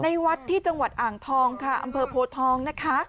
วัดที่จังหวัดอ่างทองค่ะอำเภอโพทองนะคะ